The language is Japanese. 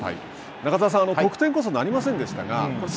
中澤さん、得点こそなりません